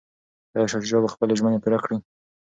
ایا شاه شجاع به خپلي ژمني پوره کړي؟